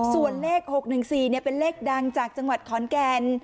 ส่วนเลข๖๑๔เป็นเลขดังจากจังหวัดขอนแก่น